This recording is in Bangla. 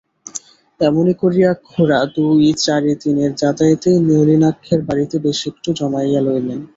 এমনি করিয়া খুড়া দুই-চারি দিনের যাতায়াতেই নলিনাক্ষের বাড়িতে বেশ একটু জমাইয়া লইলেন।